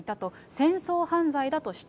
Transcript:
戦争犯罪だと主張。